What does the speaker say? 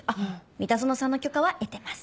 三田園さんの許可は得てます。